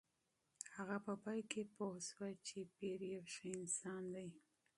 هغه په پای کې پوه شوه چې پییر یو ښه انسان دی.